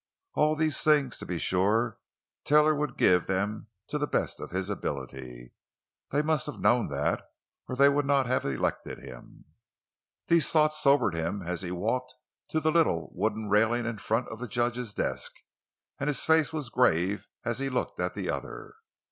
All these things, to be sure, Taylor would give them to the best of his ability. They must have known that or they would not have elected him. These thoughts sobered him as he walked to the little wooden railing in front of the judge's desk; and his face was grave as he looked at the other.